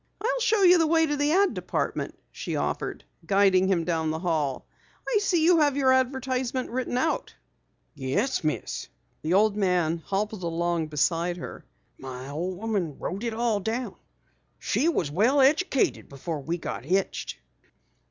"I'll show you the way to the ad department," she offered, guiding him down the hall. "I see you have your advertisement written out." "Yes, Miss." The old man hobbled along beside her. "My old woman wrote it all down. She was well edijikated before we got hitched."